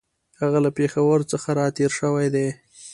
هغه له پېښور څخه را تېر شوی دی.